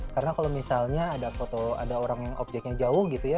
karena kalau misalnya ada foto ada orang yang objeknya jauh gitu ya